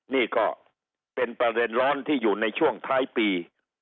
นี่ก็เป็นประเด็นร้อนที่อยู่ในช่วงท้ายปี